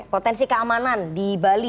potensi keamanan di bali